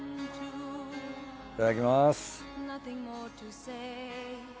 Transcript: いただきます。